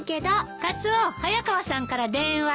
カツオ早川さんから電話よ。